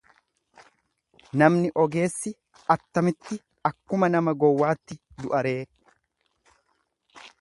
namni ogeessi attamitti akkuma nama gowwaatti du'a ree!